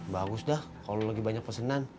bagus dah kalau lagi banyak pesenan